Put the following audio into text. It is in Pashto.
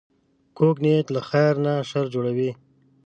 کوږ نیت له خیر نه شر جوړوي